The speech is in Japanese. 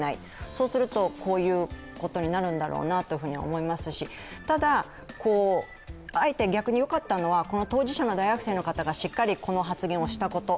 そうすると、こういうことになるんだろうなと思いますし、ただ、あえて逆によかったのは、当事者の大学生の方がしっかりこの発言をしたこと。